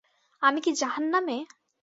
আমি কি জাহান্নামে?